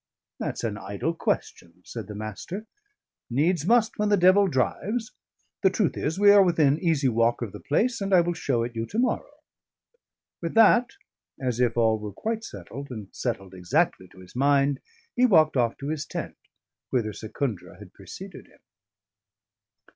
"That's an idle question," said the Master. "Needs must when the devil drives. The truth is we are within easy walk of the place, and I will show it you to morrow." With that, as if all were quite settled, and settled exactly to his mind, he walked off to his tent, whither Secundra had preceded him.